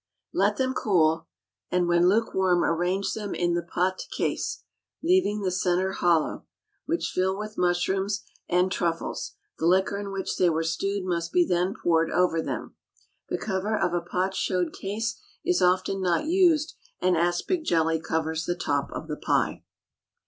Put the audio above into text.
Let them cool, and when lukewarm arrange them in the pâte case, leaving the centre hollow, which fill with mushrooms and truffles. The liquor in which they were stewed must be then poured over them. The cover of a pâte chaude case is often not used, and aspic jelly covers the top of the pie.